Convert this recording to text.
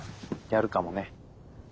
やるかもね。